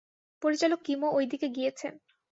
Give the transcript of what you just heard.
পরিচালক কিমও ওইদিকে গিয়েছেন।